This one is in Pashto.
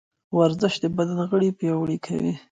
ورزش د بدن غړي پیاوړي کوي.